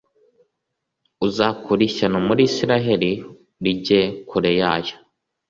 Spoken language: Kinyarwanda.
uzakure ishyano muri israheli rijye kure yayo.